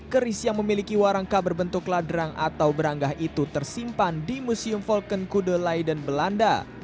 keris yang memiliki warangka berbentuk ladrang atau beranggah itu tersimpan di museum volken kude lightden belanda